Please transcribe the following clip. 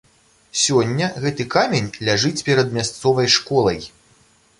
Сёння гэты камень ляжыць перад мясцовай школай.